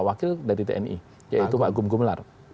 wakil dari tni yaitu pak gum gumelar